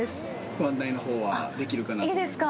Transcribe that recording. ご案内のほうはできるかなと思います。